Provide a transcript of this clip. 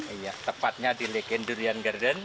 iya tepatnya di legend durian garden